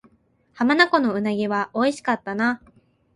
浜名湖の鰻は美味しかったな